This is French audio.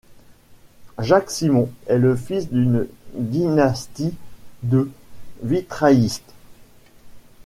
Jacques Simon est le fils d'une dynastie de vitraillistes.